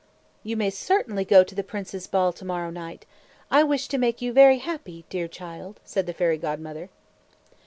"You may certainly go to the prince's ball to morrow night. I wish to make you very happy, dear child," said the Fairy Godmother.